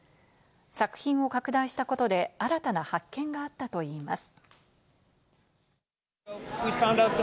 作品を拡大したことで新たな発見があったといいます。